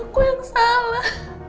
aku yang salah